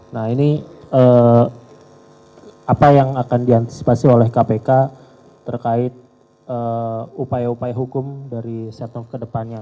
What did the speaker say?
nah ini apa yang akan diantisipasi oleh kpk terkait upaya upaya hukum dari setnov ke depannya